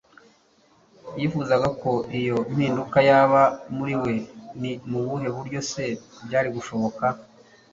yifuzaga ko iyo mpinduka yaba muri we. Ni mu buhe buryo se byari gushoboka?